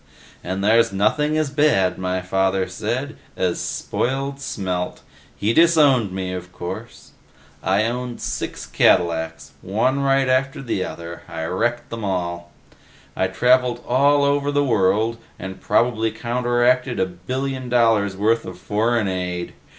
And there's nothing as bad, my father said, as spoiled Smelt. He disowned me, of course. I owned six Cadillacs one right after the other, I wrecked them all. I traveled all over the world and probably counteracted a billion dollars' worth of foreign aid.